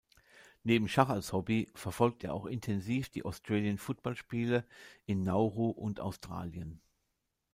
Neben Schach als Hobby verfolgt er auch intensiv die Australian-Football-Spiele in Nauru und Australien.